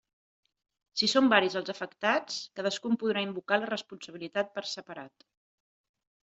Si són varis els afectats, cadascun podrà invocar la responsabilitat per separat.